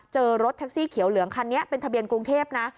รถแท็กซี่เขียวเหลืองคันนี้เป็นทะเบียนกรุงเทพนะ